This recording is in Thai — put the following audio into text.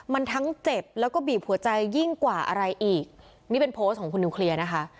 มันทั้งเจ็บแล้วก็บีบหัวใจยิ่งกว่าอะไรอีกนี่เป็นโพสต์ของคุณนิวเคลียร์นะคะ